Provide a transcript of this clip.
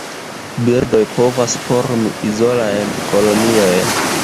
Birdoj povas formi izolajn koloniojn.